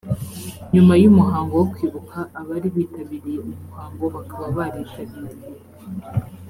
nyuma y umuhango wo kwibuka abari bitabiriye uwo muhango bakaba baritabiriye